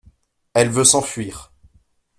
Elle veut s’enfuir.